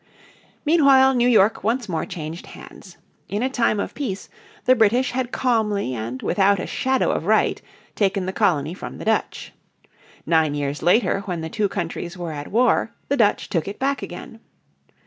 Meanwhile New York once more changed hands. In a time of peace the British had calmly and without a shadow of right taken the colony from the Dutch. Nine years later when the two countries were at war the Dutch took it back again.